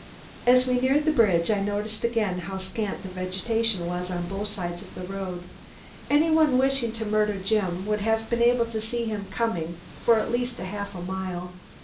As we neared the bridge, I noticed again how scant the vegetation was on both sides of the road. Any one wishing to murder Jim would have been able to see him coming for at least a half mile.